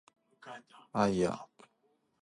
あいあ